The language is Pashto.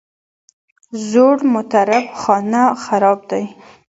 زوړ مطرب خانه خراب دی.